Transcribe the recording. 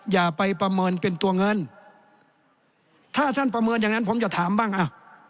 อย่าไปประเมินเป็นตัวเงินถ้าท่านประเมินอย่างนั้นผมจะถามบ้างอ่ะ